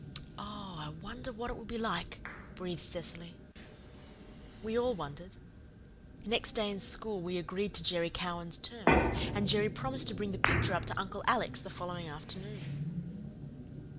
"Oh, I wonder what it will be like," breathed Cecily. We all wondered. Next day in school we agreed to Jerry Cowan's terms, and Jerry promised to bring the picture up to Uncle Alec's the following afternoon.